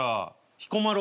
彦摩呂。